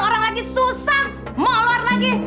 orang lagi susah mau keluar lagi